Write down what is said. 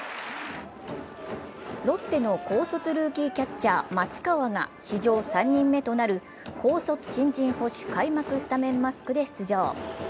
ロッテの高卒ルーキーキャッチャー・松川が史上３人目となる高卒新人捕手開幕スタメンマスクで登場。